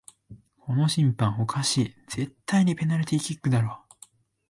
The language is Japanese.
この審判おかしい、絶対にペナルティーキックだろ